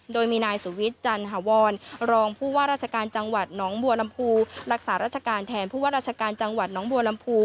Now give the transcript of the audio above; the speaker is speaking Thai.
โดยมีนายสุวิทย์จันหาวรรองผู้ว่าราชการจังหวัดน้องบัวลำพูรักษาราชการแทนผู้ว่าราชการจังหวัดน้องบัวลำพู